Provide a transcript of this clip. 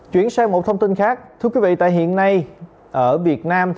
chuyển sang một thông tin khác thưa quý vị tại hiện nay ở việt nam